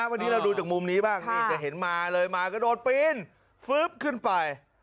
วันนี้เราดูจากมุมนี้บ้างนี่จะเห็นมาเลยมากระโดดปีนขึ้นไป